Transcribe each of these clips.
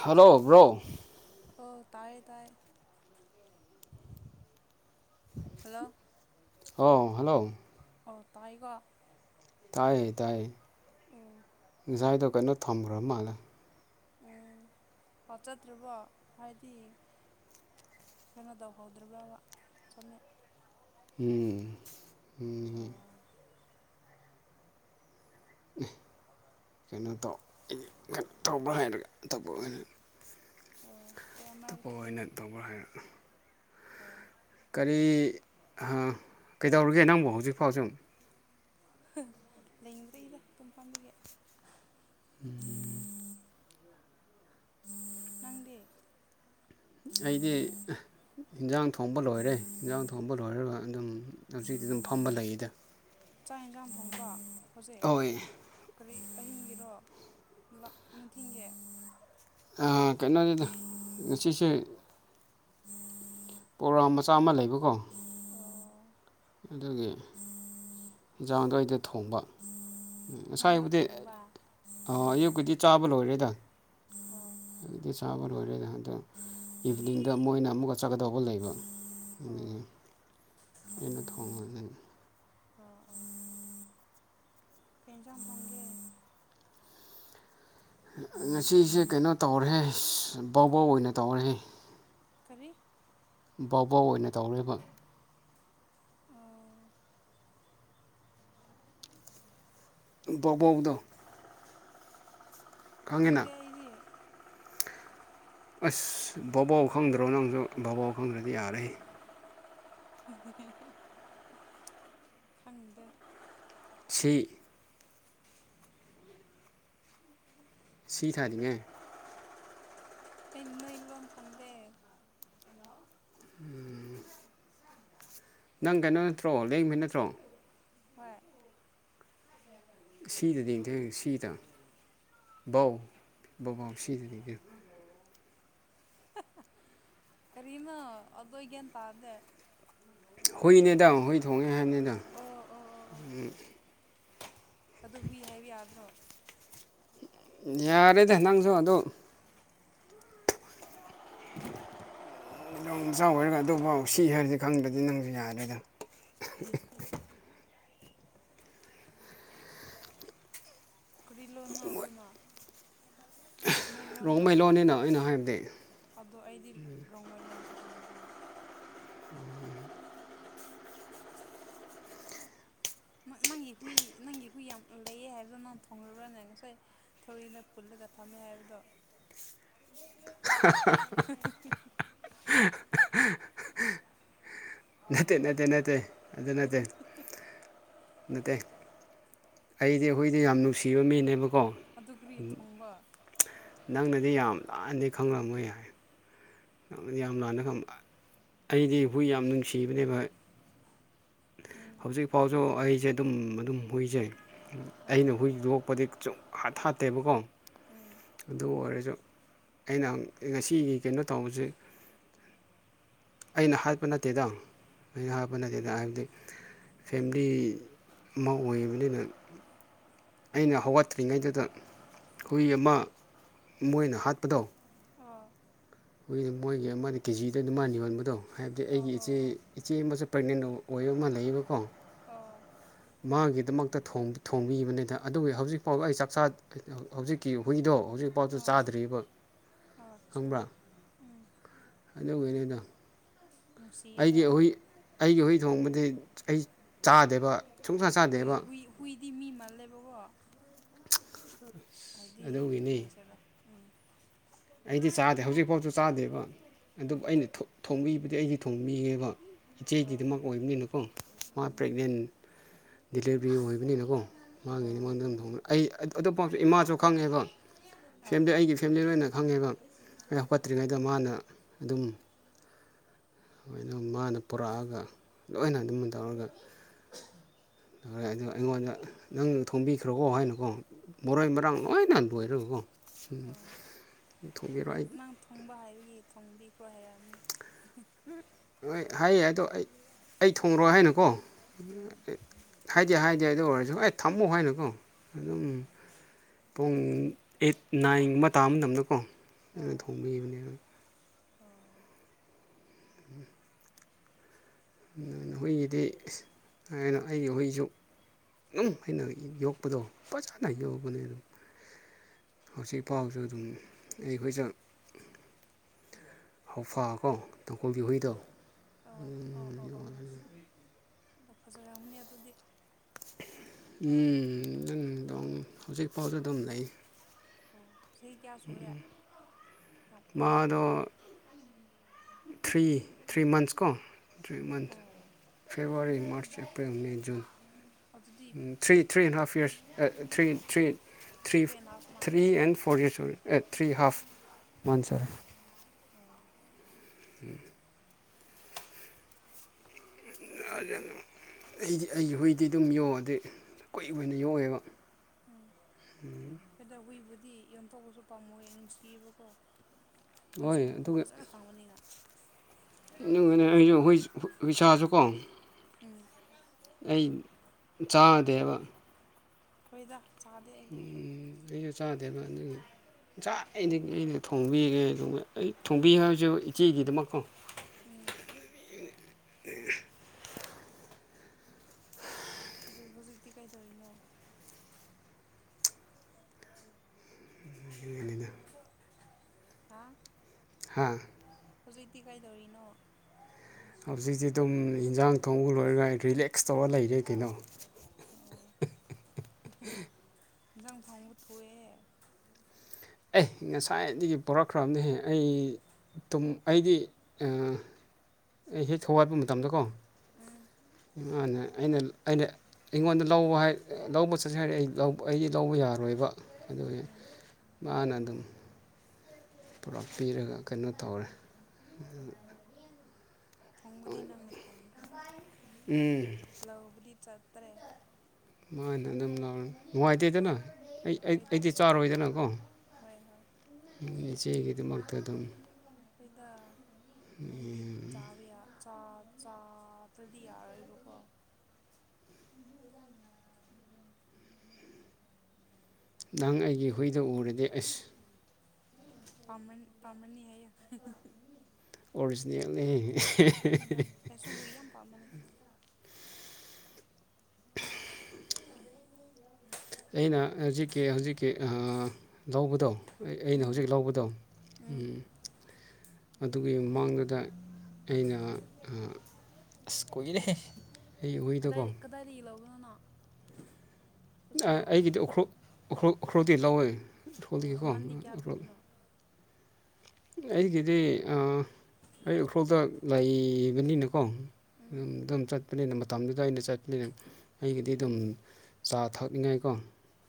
hello bro ꯑꯣ ꯇꯌꯦ ꯇꯌꯦ ꯍꯜꯂꯣ ꯑ ꯍꯜꯂꯣ ꯑ ꯇꯥꯏꯒ ꯇꯥꯏꯌꯦ ꯇꯥꯏꯌꯦ ꯎꯝ ꯉꯖꯥꯏꯗꯣ ꯀꯩꯅꯣ ꯊꯝꯈ꯭ꯔ ꯃꯥꯜꯂꯦ ꯎꯝ ꯐꯆꯠꯇ꯭ꯔꯕꯣ ꯍꯥꯏꯗꯤ ꯀꯩꯅꯣ ꯇꯧꯍꯧꯗ꯭ꯔꯕ꯭ꯔꯕ ꯆꯨꯝꯃꯦ ꯎꯝ ꯎꯝ ꯑꯣ ꯀꯩꯅꯣ ꯇꯧ ꯇꯧꯕ꯭ꯔꯥ ꯍꯥꯏꯔꯒ ꯑꯇꯣꯞꯄ ꯑꯣꯏꯅ ꯑꯣ ꯍꯣꯏ ꯇꯇꯣꯞꯄ ꯑꯃꯔꯛꯇꯤ ꯑꯗꯨꯝ ꯑꯣꯏꯅ ꯇꯧꯕ꯭ꯔꯥ ꯍꯥꯏꯔ ꯑꯣ ꯀꯔꯤ ꯀꯩꯗꯧꯔꯒꯦ ꯅꯪꯕꯨ ꯍꯧꯖꯤꯛꯐꯥꯎꯖ ꯂꯩꯗ꯭ꯔꯦꯗ ꯇꯨꯡꯐꯝꯗꯒꯤꯗꯒꯤ [inaudible] ꯎ [unintelligible] ꯎꯝ [unintelligible] ꯅꯪꯗꯤꯦ ꯑꯩꯗꯤ ꯏꯟꯖꯥꯡ ꯊꯣꯡꯕ ꯂꯣꯏꯔꯦ ꯌꯦꯟꯖꯥꯡ ꯊꯣꯡꯕ ꯂꯣꯏꯔꯒ ꯑꯗꯨꯝ ꯍꯧꯖꯤꯛ ꯁꯤꯗꯤ ꯑꯗꯨꯝ ꯐꯝꯕ ꯂꯩꯌꯦꯗ ꯆꯥꯛ ꯌꯦꯟꯁꯥꯡ ꯊꯣꯡꯕ ꯍꯧꯖꯤꯛ ꯍꯣꯏ ꯀꯔꯤ ꯑꯍꯤꯡꯒꯤꯔꯣ ꯂ ꯅꯊꯤꯟꯒꯤ ꯀꯩꯅꯣꯁꯤꯗ ꯉꯁꯤꯁꯦ ꯄ꯭ꯔꯣꯒꯒꯥ꯭ꯔꯥꯝ ꯃꯆꯥ ꯑꯃ ꯂꯩꯕꯀꯣꯌ ꯑꯣ ꯑꯗꯨꯒꯤꯟꯖꯥꯡꯒꯩꯗ ꯊꯣꯡꯕ ꯅꯪꯅ ꯉꯁꯥꯏꯕꯨꯗꯤ ꯊꯣꯡꯕ ꯑꯌꯨꯛꯀꯤꯨꯗꯤ ꯆꯥꯕ ꯂꯣꯏꯔꯦꯗ ꯑꯣ ꯑꯗꯨꯗꯤ ꯆꯕꯍꯨꯜꯂꯂ ꯂꯣꯏꯔꯦ ꯑꯗꯣ ꯏꯚꯅꯤꯡꯗ ꯃꯣꯏꯅ ꯑꯃꯨꯛꯀ ꯆꯠꯀꯗꯧꯕ ꯂꯩꯕ ꯑꯣ ꯑ ꯑꯗꯨ [unintelligible] ꯑꯣ ꯎꯝ [unintelligible] ꯀꯦꯖꯝ ꯊꯣꯡꯒꯦ ꯉꯁꯤꯁꯦ ꯀꯩꯅꯣ ꯇꯧꯔꯦ ꯕꯕꯣꯛ ꯑꯣꯏꯅ ꯇꯧꯔꯦ ꯇꯔꯤ ꯕꯥꯥꯎꯕꯥꯎ ꯑꯣꯏꯅ ꯇꯧꯔꯤꯕ ꯑꯣ ꯕꯕꯣꯛꯗ ꯈꯪꯗꯦ ꯑꯩꯗꯤ ꯑꯁ ꯕꯕꯥꯎ ꯈꯪꯗ꯭ꯔꯣ ꯅꯪꯁꯨ ꯕꯕꯥꯎ ꯈꯪꯗ꯭ꯔꯗꯤ ꯌꯥꯔꯦ ꯈꯪꯗꯦ ꯁꯤ ꯁꯤ ꯊꯥꯔꯤ ꯉꯏ ꯑꯩ ꯅꯣꯏ ꯂꯣꯟꯝ ꯈꯪꯗꯦ ꯎꯝ ꯅꯪ ꯀꯩꯅꯣ ꯅꯠꯇ꯭ꯔꯣ ꯂꯦꯡꯕ ꯅꯠꯇ꯭ꯔꯣ ꯍꯣꯏ ꯁꯤꯗꯗꯤꯊꯦꯡ ꯁꯤꯗ ꯕꯧ ꯕꯧꯕꯥꯎ ꯁꯤꯖꯔꯤꯗ ꯀꯔꯤꯅꯣ ꯑꯗꯨꯗꯒꯦꯟ ꯇꯥꯗꯦ ꯍꯨꯏꯅꯦꯗꯪ ꯍꯨꯏ ꯊꯣꯡꯉꯦ ꯍꯥꯏꯕꯅꯤꯗꯪ ꯑꯣ ꯑꯣ ꯑꯣ ꯑꯣ ꯎ ꯑꯗꯨ ꯍꯨꯏ ꯍꯥꯏꯕ ꯌꯥꯗ꯭ꯔꯣ ꯌꯥꯔꯦꯗ ꯅ ꯅꯪꯁꯨ ꯑꯗꯣ ꯌ ꯆꯥꯎꯋꯔꯒ ꯑꯗꯨꯐꯥꯎ ꯁꯤ ꯍꯥꯏꯔꯗꯤ ꯈꯪꯗ꯭ꯔꯗꯤ ꯅꯪꯁꯨ ꯌꯥꯔꯣꯏꯗ ꯍꯝ ꯀꯔꯤ ꯂꯣꯅ ꯑꯗꯨꯅ ꯅꯣꯏ ꯂꯣꯟ꯭ꯔ ꯔꯣꯡꯃꯩꯂꯣꯟꯅꯤꯅ ꯑꯩꯅ ꯍꯥꯏꯕꯗꯤ ꯑꯗꯨꯗ ꯑꯩꯗꯤ ꯔꯣꯡꯃꯣꯏ ꯂꯣꯟ ꯆ ꯐꯝꯗ ꯎꯝ ꯅꯪꯒꯤ ꯍꯨꯏ ꯅꯪꯒꯤ ꯍꯨꯏ ꯌꯥꯝ ꯂꯩꯑ ꯍꯥꯏꯕꯗꯅ ꯅꯪ ꯊꯣꯡꯉꯔꯨꯔꯅꯦ ꯉꯁꯥꯏ ꯊꯣꯔꯅ ꯄꯨꯜꯂ ꯆ ꯊꯝꯃꯦ ꯍꯥꯏꯔꯗꯣ [unintelligible] [unintelligible] [unintelligible] ꯅꯠꯇꯦ ꯅꯠꯇꯦ ꯅꯠꯇꯦ ꯑꯗꯨ ꯅꯠꯇꯦ ꯅꯠꯇꯦ ꯑꯩꯗꯤ ꯑꯩꯈꯣꯏꯗꯤ ꯌꯥꯝ ꯅꯨꯡꯁꯤꯕ ꯃꯤꯅꯦꯕ ꯑꯗꯨꯔꯤ ꯊꯣꯡꯕ ꯅꯪꯅꯗꯤ ꯌꯥꯝ ꯂꯥꯅꯗꯤ ꯈꯪꯂꯝꯝꯃꯣꯏ ꯍꯥꯏꯏ ꯌꯥꯝ ꯂꯥꯟꯅ ꯑꯩꯗꯤ ꯍꯨꯏ ꯌꯥꯝ ꯅꯨꯡꯁꯤꯕꯅꯦꯕ ꯎꯝ ꯍꯧꯖꯤꯛ ꯐꯥꯎꯁꯨ ꯑꯩꯁꯦ ꯑꯗꯨꯝ ꯑꯗꯨꯝ ꯍꯨꯏꯖꯩ ꯑꯥ ꯑꯩꯅ ꯍꯨꯏꯗꯣꯛꯄꯗꯤ ꯑꯨꯝ ꯍꯥꯠ ꯊꯥꯠꯇꯦꯕꯀꯣ ꯎꯝ ꯑꯗꯨ ꯑꯣꯏꯔꯁꯨ ꯑꯩꯅ ꯉꯁꯤꯒꯤ ꯀꯩꯅꯣ ꯇꯧꯕꯁꯦ ꯑꯩꯅ ꯍꯥꯠꯄ ꯅꯠꯇꯦꯗ ꯑꯩꯅ ꯍꯥꯠꯄ ꯅꯠꯇꯦꯗ ꯍꯥꯏꯕꯗꯤ ꯐꯦꯂꯤ ꯑꯃ ꯑꯣꯏꯌꯦꯕꯅꯤꯅ ꯑꯩꯅ ꯍꯧꯒꯠꯇ꯭ꯔꯤꯉꯩꯗꯨꯗ ꯍꯨꯏ ꯑꯃ ꯃꯣꯏꯅ ꯍꯥꯠꯄꯗꯣ ꯑꯥ ꯑꯩꯈꯣꯏ ꯃꯣꯏꯒꯤ ꯑꯃꯗ ꯀꯦꯖꯤꯗ ꯑꯗꯨꯃꯅ ꯌꯣꯟꯕꯗꯣ ꯍꯥꯏꯕꯗꯤ ꯑꯣ ꯑꯩꯒꯤ ꯑꯣ ꯏꯆꯦ ꯑꯣ ꯏꯆꯦ ꯑꯃꯁꯨ ꯄ꯭ꯔꯦꯒꯅꯦꯟ ꯑꯣꯏ ꯑꯗꯨ ꯑꯃ ꯂꯩꯌꯦꯕꯀꯣ ꯑꯣ ꯃꯥꯒꯤꯗꯃꯛꯇ ꯊꯣꯡꯕꯤꯕꯅꯤꯗ ꯑꯗꯨꯒꯤ ꯍꯧꯖꯤꯛꯐꯥꯎ ꯑꯩ ꯆꯥꯛ ꯆꯥ ꯍꯧꯖꯤꯛꯀꯤ ꯍꯨꯣꯏꯒꯤꯗꯣ ꯍꯧꯖꯤꯛꯐꯥꯎꯗ ꯑꯣ ꯆꯥꯗ꯭ꯔꯤꯕ ꯑꯣ ꯑꯠꯆꯥ ꯈꯪꯕ꯭ꯔꯥ ꯎꯝ ꯑꯗꯨ ꯅ ꯅꯨꯡꯁꯤꯌꯦꯗ ꯑꯩꯒꯤ ꯍꯨꯏ ꯑꯩꯒꯤ ꯍꯨꯏ ꯊꯣꯡꯕꯗꯤ ꯑꯩ ꯆꯥꯗꯦꯕ ꯁꯨꯡꯆꯥ ꯍꯣꯏ ꯆꯥꯗꯦꯕ ꯍꯨꯏ ꯍꯨꯏꯗꯤ ꯃꯤ ꯃꯥꯜꯂꯦꯕꯀꯣ ꯍꯥꯏꯗꯤ ꯀ ꯑꯗꯨꯒꯤꯅꯤ ꯍꯥꯏꯁꯔꯣ ꯎꯝ ꯑꯩꯗꯤ ꯆꯥꯗꯦ ꯍꯧꯖꯤꯛꯐꯥꯎꯁꯨ ꯆꯥꯗꯦꯕ ꯑꯗꯨꯕꯨ ꯎꯝ ꯑꯩꯅ ꯊꯣꯡꯕꯤꯕꯗꯤ ꯑꯩꯗꯤ ꯊꯣꯡꯕꯤꯉꯦꯕ ꯑꯣ ꯏꯆꯦꯒꯤꯗꯃꯛ ꯑꯣꯏꯕꯅꯤꯅꯀꯣ ꯃꯥ ꯎꯝ ꯄ꯭ꯔꯦꯒꯅꯦꯟ ꯗꯤꯂꯤꯚꯔꯤ ꯑꯣꯏꯕꯅꯤꯅꯀꯣ ꯃꯥꯒꯤꯅꯤ ꯑꯣ ꯃꯥꯡꯗ ꯑꯗꯨꯝ ꯊ ꯑꯩ ꯑꯇꯣꯞꯄꯁꯨ ꯏꯃꯥꯁꯨ ꯈꯪꯉꯦꯕ ꯑ ꯐꯦꯂꯤ ꯑꯩꯒꯤ ꯐꯦꯂꯤ ꯂꯣꯏꯅ ꯐꯪꯉꯦꯕ ꯑꯩ ꯍꯧꯀꯠꯇ꯭ꯔꯤꯉꯩꯗ ꯃꯥꯅ ꯑꯗꯨꯝ ꯑꯗꯨꯣꯏꯅ ꯃꯥꯅ ꯄꯨꯔꯛꯑꯒ ꯂꯣꯏꯅ ꯑꯗꯨꯝ ꯇꯧꯔꯒ ꯑꯗ ꯑꯩꯉꯣꯟꯗ ꯅꯪ ꯊꯣꯡꯝꯕꯤꯈ꯭ꯔꯣꯀꯣ ꯍꯥꯏꯅꯨꯀꯣ ꯃꯔꯣꯏ ꯑꯣ ꯃꯔꯥꯡ ꯂꯣꯏꯅ ꯂꯣꯏꯔꯒꯀꯣ ꯎꯝ ꯑꯣ ꯅꯪ ꯅꯪ ꯊꯣꯡꯕ ꯍꯥꯏꯕꯒꯤ ꯊꯣꯡꯕꯤꯈ꯭ꯔꯣ ꯍꯥꯏꯔꯛꯑꯝꯅꯦ ꯍꯣꯏ ꯍꯥꯏꯌꯦ ꯑꯗꯣ ꯑꯩ ꯑꯩ ꯊꯣꯡꯉꯣꯏ ꯍꯥꯏꯅꯨꯀꯣ ꯎꯝ ꯍꯥꯏꯗꯤꯦ ꯍꯥꯏꯗꯦ ꯑꯗꯨ ꯑꯣꯏꯔꯁꯨ ꯑꯩ ꯊꯝꯃꯣ ꯍꯥꯏꯅꯀꯣ ꯑꯗꯨꯝ ꯎꯝ ꯄꯨꯡ ꯑꯩꯠ ꯅꯥꯏꯟꯒꯨꯝꯕ ꯇꯥꯕ ꯃꯇꯝꯗꯀꯣ ꯑꯩꯅ ꯑꯣ ꯊꯣꯡꯕꯤꯈꯤꯕꯅꯦ ꯑꯣ ꯎꯝ ꯑꯗꯨ ꯍꯨꯏꯒꯤꯗꯤ ꯀꯩꯅꯣ ꯑꯩꯒꯤ ꯍꯨꯏꯁꯨ ꯑꯗꯨꯝ ꯑꯩꯅ ꯌꯣꯛꯄꯗꯣ ꯐꯖꯅ ꯎꯝ ꯌꯣꯛꯕꯅꯦ ꯑꯗꯨꯝ ꯍꯧꯖꯤꯛ ꯐꯥꯎꯁꯨ ꯑꯗꯨꯝ ꯑꯩꯈꯣꯏꯁ ꯍꯥꯎꯐꯀꯣ ꯇꯣꯡꯀꯣꯜ ꯕꯍꯨꯏꯗꯣ ꯑꯣ ꯑꯣ ꯑꯣ ꯑꯣ ꯑꯣ ꯑꯣ ꯐꯖꯔꯅꯤ ꯑꯗꯨꯗꯤ ꯎꯝ ꯅꯪ ꯑꯗꯨꯝ ꯍꯧꯖꯤꯛꯐꯥꯎꯁꯨ ꯑꯗꯨꯝ ꯂꯩ ꯑꯣ ꯁꯤ ꯀꯌꯥ ꯁꯨꯔꯦ ꯌꯥꯝ ꯀꯨꯏꯔꯕꯣ ꯃꯥꯗꯣ ꯊ꯭ꯔꯤ ꯊ꯭ꯔꯤ ꯃꯟꯊꯁ ꯀꯣ ꯊ꯭ꯔꯤ ꯃꯟꯊꯁ ꯑꯣ ꯐꯦꯕ꯭ꯔꯋꯥꯔꯤ ꯃꯥꯔꯆ ꯑꯦꯄ꯭ꯔꯤꯜ ꯃꯦ ꯨꯟ ꯑꯗꯨꯗꯤ three three and half years three three three and half three months and four the A three half ꯃꯟ ꯁꯔ ꯑꯣ ꯎꯝ ꯑꯩꯗꯤ ꯑꯩꯒꯤ ꯍꯨꯏꯗꯤ ꯑꯗꯨꯝ ꯌꯣꯛꯑꯣꯗꯩ ꯀꯨꯏꯕ ꯑꯣꯏꯅ ꯌꯣꯛꯑꯦꯕ ꯎꯝ ꯑꯣꯏꯗ ꯍꯨꯏꯕꯨꯗꯤ ꯌꯣꯝꯊꯣꯛꯄꯁꯨ ꯄꯥꯝꯃꯣꯏ ꯅꯨꯡꯁꯤꯌꯦꯕꯀꯣ ꯃꯣꯏꯁꯨ ꯍꯣꯏ ꯃꯄꯨ ꯑꯗꯨꯒ ꯐꯖꯅ ꯐꯪꯕꯅꯤꯅ ꯑꯩꯁꯨ ꯍ ꯍ ꯁꯥꯁꯨ ꯀꯣ ꯎꯝ ꯑꯩ ꯆꯥꯗꯦꯕ ꯍꯣꯏꯗ ꯆꯥꯗ ꯑꯩ ꯏ ꯏ ꯊꯣꯡ ꯊꯣꯡꯕꯤꯒꯦ ꯑꯩ ꯊꯣꯡꯕꯤ ꯍꯥꯏꯕꯁꯨ ꯏꯆꯦꯒꯤꯗꯃꯛꯀꯣ ꯎꯝ [unintelligible] ꯑꯗꯨ ꯍꯧꯖꯤꯛꯇꯤ ꯀꯩꯗꯧꯔꯤꯅꯣ ꯍꯥ ꯍꯥꯥ ꯍꯧꯖꯤꯛꯇꯤ ꯀꯩꯗꯧꯔꯤꯅꯣ ꯍꯧꯖꯤꯛꯇꯤ ꯑꯗꯨꯝ ꯏꯟꯖꯥꯡ ꯀꯥꯡꯣꯡꯕꯨ ꯂꯣꯏꯔꯒ ꯔꯤꯂꯦꯛꯁ ꯇꯧꯔ ꯂꯩꯔꯦ ꯀꯩꯅꯣ ꯖꯪ ꯊꯥꯎꯕꯨ ꯊꯣꯛꯣꯛꯑꯦ ꯑꯦ ꯉꯁꯥꯏꯗꯒꯤ ꯄꯔꯛꯈ꯭ꯔꯕꯅꯦꯍꯦ ꯑꯩ ꯑꯩꯗꯤ ꯑꯩ ꯍꯦꯛ ꯍꯋꯥꯠꯄ ꯃꯇꯝꯗꯀꯣ ꯎꯝ ꯏꯃꯥꯅ ꯑꯩꯅ ꯑꯩꯅ ꯑꯩꯉꯣꯟꯗ ꯂꯧꯕ ꯂꯧꯕ ꯆꯠꯁꯤ ꯍꯥꯏꯔꯦ ꯑꯩ ꯑꯩꯗꯤ ꯂꯧꯕ ꯌꯥꯔꯣꯏꯕ ꯑꯗꯨ ꯎꯝ ꯃꯥꯅ ꯑꯗꯨꯝ ꯄꯨꯔꯥ ꯄꯤꯔꯒ ꯀꯩꯅꯣ ꯇꯧꯔꯦ ꯑꯣ ꯊꯣꯡꯕꯗꯤ ꯅꯪꯅ ꯊꯣꯡꯈ꯭ꯔꯦ ꯎꯝ ꯂꯧꯕꯨꯗꯤ ꯆꯠꯇ꯭ꯔꯦ ꯃꯥ ꯑꯗꯨꯝ ꯂ ꯅꯨꯡꯉꯥꯏꯇꯗꯅꯣ ꯑꯩ ꯍꯣꯏꯗ ꯑꯩꯗꯤ ꯆꯥꯔꯣꯏꯗꯅꯀꯣ ꯍꯣꯏ ꯍꯣꯏ ꯏꯆꯦꯒꯤꯗꯨꯃꯛ ꯑꯗꯨ ꯑꯗꯨꯝ ꯍꯈꯣꯏꯗ ꯃꯣꯏꯗꯤ ꯆꯥꯕꯌꯥ ꯆ ꯆꯥꯠꯇꯗꯤ ꯌꯥꯔꯣꯏꯕꯀꯣ ꯅꯪ ꯑꯩꯒꯤ ꯍꯨꯏꯗ ꯎꯔꯗꯤ ꯑꯁ ꯄꯃ ꯄꯥꯃꯅꯤ ꯍꯥꯏ ꯑꯣꯔꯤꯖꯤꯅꯦꯜꯅꯦ ꯍꯗ ꯑꯦꯁꯨ ꯍ ꯌꯥꯝ ꯄꯥ ꯃ ꯑꯩꯅ ꯍꯧꯖꯤꯛꯀꯤ ꯍꯧꯖꯤꯛꯀꯤ ꯂꯧꯕꯗꯣ ꯑꯩꯅ ꯎꯝ ꯍꯧꯖꯤꯛ ꯂꯧꯕꯗꯣ ꯎꯝ ꯑꯗꯨꯒꯤ ꯃꯃꯥꯡꯗꯨꯗ ꯑꯩꯅ ꯑ ꯀꯣꯏꯅꯦ ꯀꯗꯥꯏ ꯀꯗꯥꯏꯗꯒꯤ ꯂꯧꯕꯅꯣꯅꯥ ꯑꯩꯒꯤꯗꯤ ꯎꯈ꯭ꯔꯨꯈꯜ ꯎꯈ꯭ꯔꯨꯜꯗꯤ ꯂꯧꯋꯦ ꯑꯣ ꯎꯈ꯭ꯔꯣꯜꯗꯒꯤꯀꯣ ꯃꯃꯟꯗꯤ ꯀꯌꯥ ꯎꯈ꯭ꯔꯨꯜ ꯄꯤꯕꯅꯣ ꯑꯩꯒꯤꯗꯤ ꯑꯩ ꯎꯈ꯭ꯔꯨꯜꯗ ꯂꯩꯕꯅꯤꯅꯀꯣ ꯑꯗꯨꯝ ꯎꯝ ꯑꯗꯨꯝ ꯆꯠꯄꯅꯤꯅ ꯃꯇꯝꯗꯨꯗ ꯑꯩꯅ ꯆꯠꯄꯅꯤꯅ ꯑꯩꯒꯤꯗꯤ ꯑꯗꯨꯝ ꯆꯥ ꯊꯛꯅꯤꯡꯉꯥꯏꯀꯣ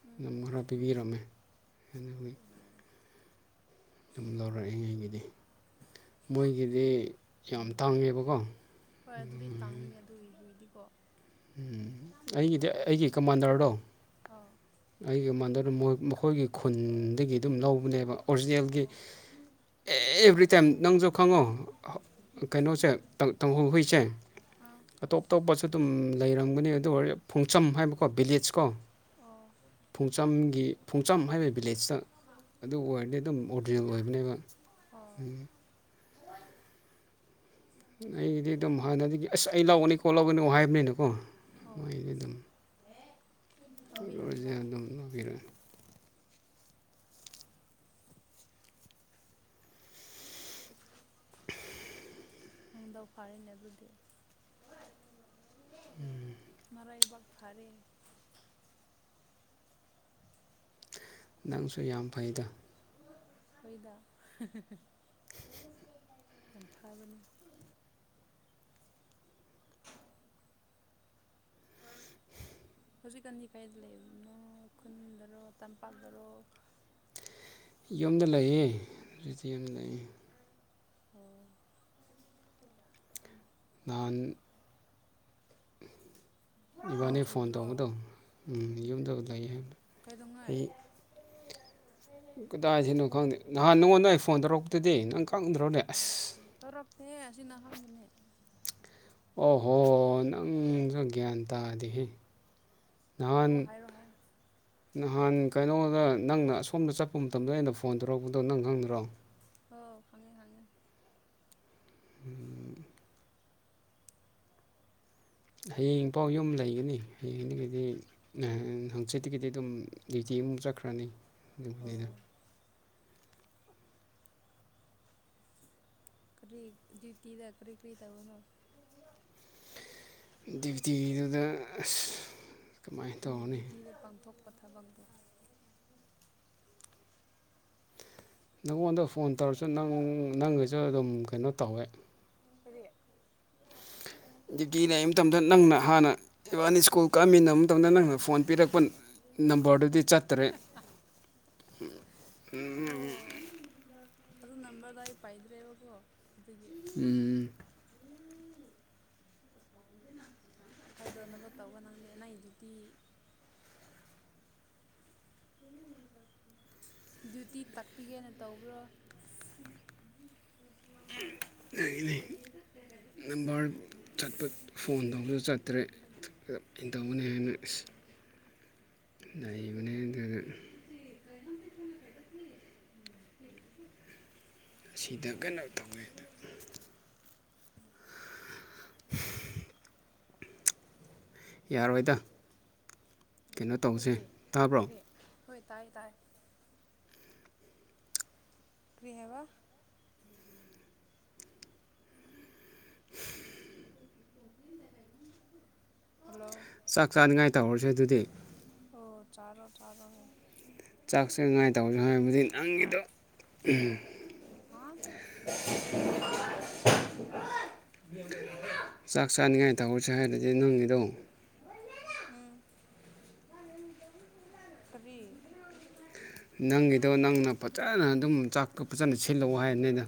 ꯎꯝ ꯑꯗꯨꯝ ꯈꯔ ꯄꯤꯕꯤꯔꯝꯃꯦ ꯑꯣ ꯑꯗꯨꯝ ꯂꯧꯔꯛꯑꯦ ꯑꯩꯒꯤꯗꯤ ꯃꯣꯏꯒꯤꯗꯤ ꯌꯥꯝ ꯇꯥꯡꯉꯦꯕꯀꯣ ꯍꯣꯏ ꯑꯗꯨꯗꯤ ꯇꯥꯡꯕꯅꯦ ꯑꯗꯨꯏꯒꯤꯗꯤꯀꯣ ꯑꯩꯒꯤꯗꯤ ꯑꯩꯒꯤ ꯍꯥꯡꯕꯅꯤꯗ ꯀꯃꯥꯟꯗꯔꯗꯣ ꯑꯥ ꯑꯩꯒꯤ ꯃꯥꯟꯗ ꯃꯈꯣꯏꯒꯤ ꯈꯨꯟꯗꯒꯤ ꯑꯗꯨꯝ ꯂꯧꯕꯅꯦꯕ ꯑꯣꯔꯤꯖꯤꯅꯦꯜꯒꯤ ꯑꯣ ꯑꯦꯕ꯭ꯔꯤꯇꯥꯏꯝ ꯅꯪꯁꯨ ꯈꯪꯉꯣ ꯀꯩꯅꯣꯁꯦ ꯇꯍꯧ ꯍꯨꯏꯁꯦ ꯑꯥ ꯑꯇꯣꯞ ꯑꯇꯣꯞꯄꯁꯨ ꯑꯗꯨꯝ ꯂꯩꯔꯝ ꯑꯗꯨ ꯐꯣꯡꯆꯝ ꯍꯥꯏꯕꯀꯣ ꯚꯤꯂꯦꯖ ꯀꯣ ꯑꯣ ꯐꯣꯡꯆꯝꯒꯤ ꯐꯣꯡꯆꯝ ꯍꯥꯏꯕ ꯚꯤꯂꯦꯖꯇ ꯑꯗꯨ ꯑꯣꯏꯔꯗꯤ ꯑꯗꯨꯝ ꯑꯣꯔꯤꯖꯤꯅꯦꯜ ꯑꯣꯏꯕꯅꯦꯕ ꯑꯣ ꯎꯝ ꯑꯩꯒꯤꯗꯤ ꯑꯗꯨꯝ ꯍꯥꯟꯅꯗꯒꯤ ꯑꯁ ꯑꯩ ꯂꯧꯒꯅꯤꯀꯣ ꯂꯧꯒꯅꯨ ꯍꯥꯏꯕꯅꯤꯅꯀꯣ ꯑꯣ ꯍꯣꯏꯅꯦ ꯑꯗꯨꯝ ꯊꯝꯕꯤꯔꯝꯕ ꯑꯣꯔꯤꯖꯤꯅꯦꯜꯗꯣ ꯑꯗꯨꯒꯤ ꯅꯪꯗꯣ ꯐꯥꯔꯅꯦ ꯑꯗꯨꯗꯤ ꯎꯝ ꯃꯔꯥꯏꯕꯥꯛ ꯐꯔꯦ ꯅꯪꯁꯨ ꯌꯥꯝ ꯐꯩꯗ ꯍꯣꯏꯗꯥ ꯌꯥꯝ ꯐꯕꯅꯤ ꯍꯧꯖꯤꯛꯀꯟꯗꯤ ꯀꯥꯏꯗ ꯂꯩꯕꯅꯣ ꯈꯨꯟꯗꯔꯣ ꯇꯝꯄꯥꯛꯇꯔꯣ ꯌꯨꯝꯗ ꯂꯩꯌꯦ ꯍꯧꯖꯤꯛꯇꯤ ꯌꯨꯝꯗ ꯂꯩꯌꯦ ꯑꯣ ꯅꯍꯥꯟ ꯅꯣꯡ ꯏꯕꯥꯅꯤ ꯐꯣꯟ ꯆꯨꯗ꯭ꯔꯣ ꯇꯧꯕꯧꯕꯗꯣ ꯎꯝ ꯌꯨꯝꯗ ꯂꯩꯌꯦ ꯍꯥꯏ ꯀꯩꯗꯧꯉꯩ ꯀꯗꯥꯏꯁꯤꯅꯣ ꯈꯪꯗꯦ ꯅꯍꯥꯟ ꯅꯉꯣꯟꯗ ꯑꯩ ꯐꯣꯟ ꯇꯧꯔꯛꯄꯗꯤ ꯅꯪ ꯈꯪꯗ꯭ꯔꯣꯅꯦ ꯑꯁ ꯇꯧꯔꯛꯇꯤꯌꯦ ꯑꯁꯤꯅ ꯑꯍꯥꯟꯕꯅꯦ ꯑꯣꯍꯣ ꯅꯪꯁꯨ ꯒ꯭ꯌꯥꯟ ꯇꯥꯗꯤꯍꯦ ꯑꯣ ꯍꯥꯏꯔꯣ ꯍꯥꯏꯔꯣ ꯅꯍꯥꯟ ꯀꯩꯅꯣꯗ ꯅꯪꯅ ꯑꯁꯣꯝꯗ ꯆꯠꯄ ꯃꯇꯝꯗ ꯑꯩꯅ ꯐꯣꯟ ꯇꯧꯔꯛꯄꯗꯣ ꯅꯪ ꯈꯪꯗ꯭ꯔꯣ ꯍꯥꯎ ꯈꯪꯉꯦ ꯈꯪꯉꯦ ꯎꯝ ꯍꯌꯦꯡ ꯄꯥꯎ ꯌꯨꯝ ꯂꯩꯒꯅꯤ ꯍꯌꯦꯡꯗꯒꯤꯗꯤ ꯍꯪꯆꯤꯠꯇꯒꯤꯗꯤ ꯑꯗꯨꯝ ꯗ꯭ꯌꯨꯇꯤ ꯆꯠꯈ꯭ꯔꯥꯅꯤ ꯑꯣ ꯑꯗꯨꯒꯤꯅꯤꯗ ꯀꯔꯤ ꯗ꯭ꯌꯨꯇꯤꯗ ꯀꯔꯤ ꯀꯔꯤ ꯇꯧꯕꯅꯣ ꯗ꯭ꯌꯨꯇꯤꯗ ꯃꯤ ꯗ꯭ꯌꯨꯇꯤꯗ ꯄꯥꯡꯊꯣꯛꯄ ꯊꯥꯕꯛꯇꯣ ꯅꯪꯉꯣꯟꯗ ꯐꯣꯟ ꯇꯧꯔꯁꯨ ꯅꯪ ꯅꯪꯒꯁꯨ ꯑꯗꯨꯝ ꯀꯩꯅꯣ ꯇꯧꯋꯦ ꯀꯔꯤ [unintelligible] ꯗ꯭ꯌꯨꯇꯤ ꯂꯩꯕ ꯃꯇꯝꯗ ꯅꯪꯅ ꯍꯥꯟꯅ ꯏꯕꯥꯟ ꯁ꯭ꯀꯨꯜ ꯀꯛꯃꯤꯟꯅꯕ ꯃꯇꯝꯗ ꯅꯪꯅ ꯐꯣꯟ ꯄꯤꯔꯛꯄ ꯅꯝꯕꯝꯕꯔꯗꯨꯗꯤ ꯆꯠꯇ꯭ꯔꯦ ꯑꯗ ꯅꯝꯕꯔꯗꯣ ꯑꯩ ꯄꯥꯢꯗ꯭ꯔꯦꯕ ꯀꯣ ꯎꯝ ꯈꯥꯏꯗꯧꯅꯕ ꯇꯧꯕ ꯅꯪꯒꯤ ꯗ꯭ꯌꯨꯇꯤ ꯗ꯭ꯌꯨꯇꯤ ꯇꯥꯛꯄꯤꯒꯦꯅ ꯇꯧꯕ꯭ꯔꯣ ꯑꯣꯏ ꯅꯝꯕꯔ ꯆꯠꯄ ꯐꯣꯟ ꯇꯧꯕꯗꯨ ꯆꯠꯇ꯭ꯔꯦ ꯏꯩꯅ ꯇꯧꯅꯤ ꯍꯥꯏꯅ ꯑ ꯕꯅꯦ ꯑꯗꯨ ꯑꯁꯤꯗ ꯀꯟꯅꯣ ꯊꯧꯉꯩꯗ [unintelligible] ꯌꯥꯔꯣꯏꯗ ꯀꯩꯅꯣ ꯇꯧꯁꯦ ꯇꯥꯕ꯭ꯔꯣ ꯍꯇꯥꯥꯏ ꯇꯥꯏ ꯀ꯭ꯔꯤꯍꯕ ꯍꯜꯂꯣ ꯆꯥꯛ ꯆꯥꯅꯤꯡꯉꯥꯏ ꯇꯧꯍꯔꯁꯦ ꯑꯗꯨꯗꯤ ꯑꯣ ꯇꯔꯣ ꯇꯔꯣꯉ ꯆꯥꯛꯁꯦꯉꯥꯏ ꯇꯧꯁꯦ ꯍꯥꯏꯕꯗꯤ ꯅꯪꯒꯤꯗꯣ ꯍꯥ [unintelligible] ꯆꯥꯛ ꯆꯥꯅꯤꯡꯉꯥꯏ ꯇꯧꯍꯧꯁꯦ ꯍꯥꯏꯔꯗꯤ ꯅꯪꯒꯤꯗꯣ ꯎꯝ ꯀꯔꯤ ꯅꯪꯒꯤꯗꯣ ꯅꯪꯅ ꯐꯖꯅ ꯑꯗꯨꯝ ꯆꯥꯛꯀ ꯐꯖꯅ ꯁꯤꯜꯂꯛꯑꯣ ꯍꯥꯏꯅꯤꯗ